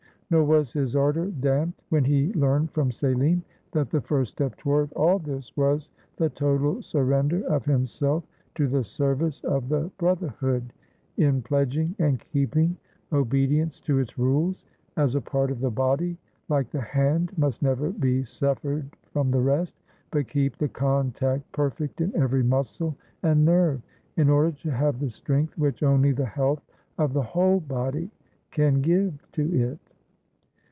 Nor was his ardor damped when he learned from Selim that the first step toward all this was the total surrender of himself to the service of the broth erhood, in pledging and keeping obedience to its rules; as a part of the body, like the hand, must never be sev ered from the rest, but keep the contact perfect in every muscle and nerve, in order to have the strength which only the health of the whole body can give to it.